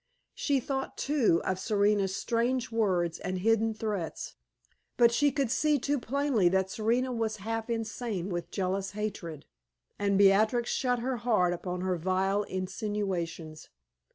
She thought, too, of Serena's strange words and hidden threats; but she could see too plainly that Serena was half insane with jealous hatred, and Beatrix shut her heart upon her vile insinuations.